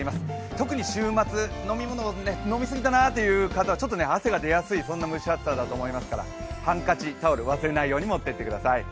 特に週末、飲み物、飲み過ぎかなという方はちょっと汗が出やすいような暑さですからハンカチ、タオル、忘れないように持っていってください。